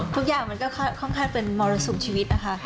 ทุกอย่างมันก็ค่อนข้างเป็นมรสุมชีวิตนะคะ